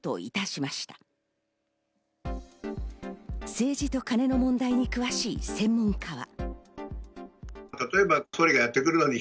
政治とカネの問題に詳しい専門家は。